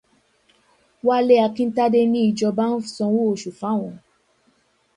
Wálé Akíntádé ní ìjọba ń sanwó oṣù fáwọn.